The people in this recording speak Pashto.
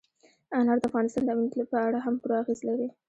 انار د افغانستان د امنیت په اړه هم پوره اغېز لري.